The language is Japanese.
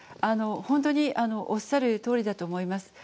本当におっしゃるとおりだと思います。